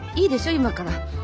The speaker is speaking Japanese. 今から。